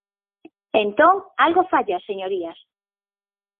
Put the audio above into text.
Entón, algo falla, señorías.